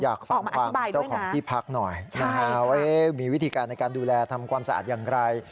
อยากฟังความเจ้าของที่พักหน่อยนะฮะว่ามีวิธีการในการดูแลทำความสะอาดอย่างไร